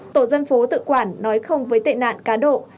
tổ dân phố tự quản nói không với tệ nạn cá độ